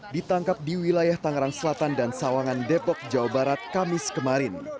ditangkap di wilayah tangerang selatan dan sawangan depok jawa barat kamis kemarin